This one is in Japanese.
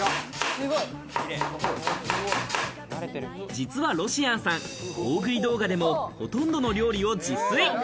実はロシアンさん、大食い動画でもほとんどの料理を自炊。